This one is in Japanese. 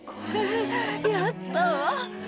やったわ！